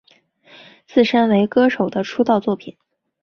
自身为歌手的出道作品。